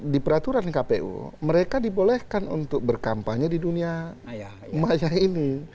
di peraturan kpu mereka dibolehkan untuk berkampanye di dunia maya ini